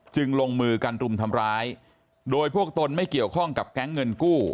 ลงมือกันรุมทำร้ายโดยพวกตนไม่เกี่ยวข้องกับแก๊งเงินกู้